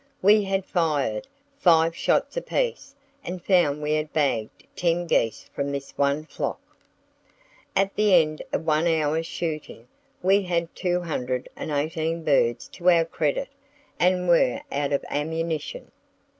We had fired five shots apiece and found we had bagged ten geese from this one flock. "At the end of one hour's shooting we had 218 birds to our credit and were out of ammunition.